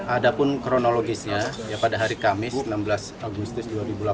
ada pun kronologisnya pada hari kamis enam belas agustus dua ribu delapan belas